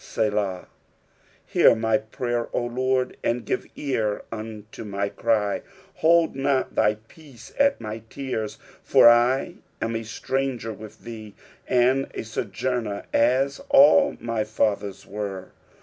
Selah. 12 Hear my prayer, O Lord, and give ear unto my cry ; hold not thy peace at my tears : for I am a stranger with thee, and a sojourner, as all my fathers icrrf.